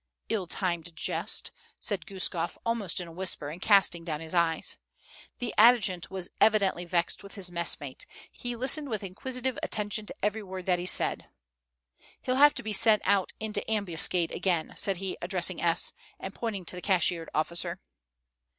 "Ill timed jest," said Guskof, almost in a whisper, and casting down his eyes. The adjutant was evidently vexed with his messmate; he listened with inquisitive attention to every word that he said. "He'll have to be sent out into ambuscade again," said he, addressing S., and pointing to the cashiered officer.